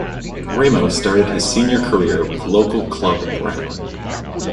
Ramos started his senior career with local club Brown.